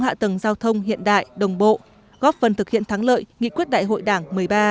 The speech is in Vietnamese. hạ tầng giao thông hiện đại đồng bộ góp phần thực hiện thắng lợi nghị quyết đại hội đảng một mươi ba